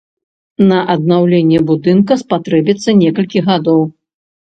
На аднаўленне будынка спатрэбіцца некалькі гадоў.